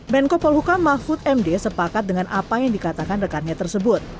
menko polhukam mahfud md sepakat dengan apa yang dikatakan rekannya tersebut